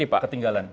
tapi begini pak